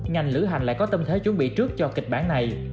ngành lữ hành lại có tâm thế chuẩn bị trước cho kịch bản này